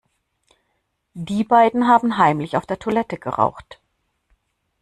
Die beiden haben heimlich auf der Toilette geraucht.